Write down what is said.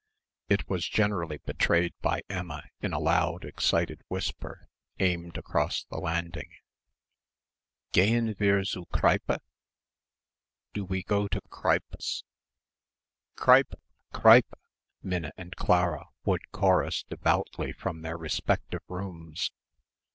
It was generally betrayed by Emma in a loud excited whisper, aimed across the landing: "Gehen wir zu Kreipe? Do we go to Kreipe's?" "Kreipe, Kreipe," Minna and Clara would chorus devoutly from their respective rooms.